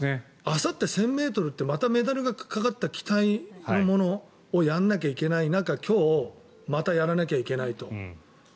あさって１０００ｍってまたメダルがかかった期待のものをやらなきゃいけない中今日またやらなきゃいけないと。